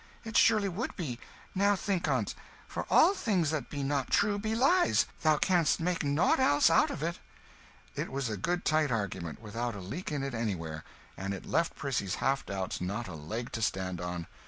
It surely would be. Now think on't. For all things that be not true, be lies thou canst make nought else out of it." It was a good tight argument, without a leak in it anywhere; and it left Prissy's half doubts not a leg to stand on.